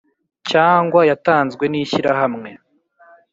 Cyangwa yatanzwe n ishyirahamwe